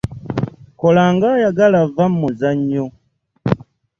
Kola ng'ayagala vva mu muzannyo.